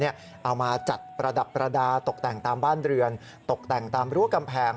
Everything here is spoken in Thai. เอามาจัดประดับประดาษตกแต่งตามบ้านเรือนตกแต่งตามรั้วกำแพง